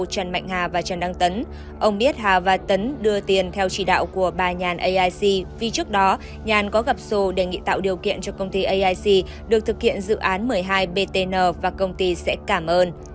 trần mạnh hà và trần đăng tấn ông biết hà và tấn đưa tiền theo chỉ đạo của bà nhàn aic vì trước đó nhàn có gặp sô đề nghị tạo điều kiện cho công ty aic được thực hiện dự án một mươi hai btn và công ty sẽ cảm ơn